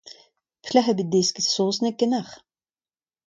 Pelec'h eo bet desket saozneg ganeoc'h ?